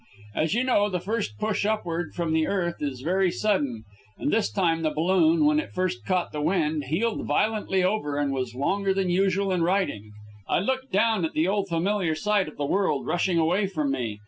As you know, the first rush upward from the earth is very sudden, and this time the balloon, when it first caught the wind, heeled violently over and was longer than usual in righting. I looked down at the old familiar sight of the world rushing away from me.